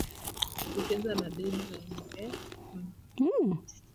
ya mvua yasiweze kupitaEnkaji ni ndogo kipimo cha mita tati mara tano na